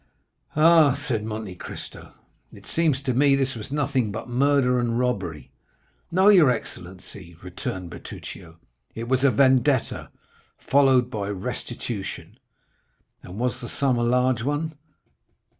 "Ah," said Monte Cristo "it seems to me this was nothing but murder and robbery." "No, your excellency," returned Bertuccio; "it was a vendetta followed by restitution." "And was the sum a large one?"